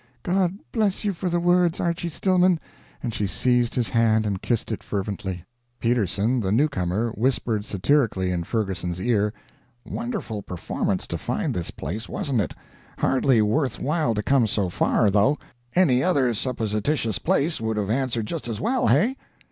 "God bless you for the words, Archy Stillman!" and she seized his hand and kissed it fervently. Peterson, the new comer, whispered satirically in Ferguson's ear: "Wonderful performance to find this place, wasn't it? Hardly worth while to come so far, though; any other supposititious place would have answered just as well hey?"